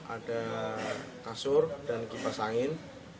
ada kasur dan kipas angin